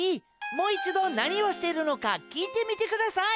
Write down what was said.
もういちどなにをしてるのかきいてみてください。